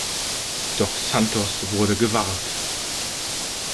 Doch Santos wurde gewarnt.